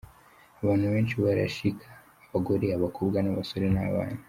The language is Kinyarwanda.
Abantu benshi barashika: abagore, abakobwa n’ abasore n’abana.